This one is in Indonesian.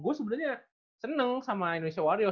gue sebenernya seneng sama indonesia wario